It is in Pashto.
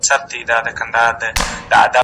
زه بازار ته نه ځم؟!